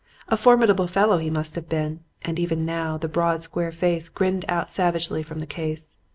A formidable fellow he must have been; and even now, the broad, square face grinned out savagely from the case.